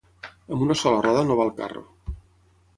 Amb una sola roda no va el carro.